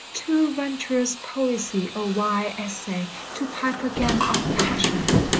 Too venturous poesy O why essay To pipe again of passion !